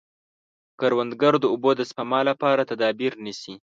کروندګر د اوبو د سپما لپاره تدابیر نیسي